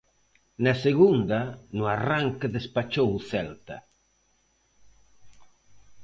Na segunda, no arranque despachou o Celta.